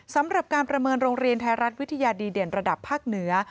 สำหรับการประเมินโรงเรียนไทยรัฐวิทยาดีเด่นระดับภาคเหนือ